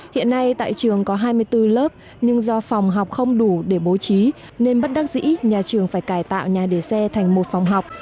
hiện nay tại trường có hai mươi bốn lớp nhưng do phòng học không đủ để bố trí nên bất đắc dĩ nhà trường phải cải tạo nhà để xe thành một phòng học